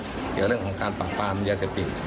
เกี่ยวกับเรื่องของการปากปากปัญญาเศียบติด